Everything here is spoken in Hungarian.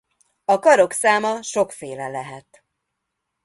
A karok száma sokféle lehet.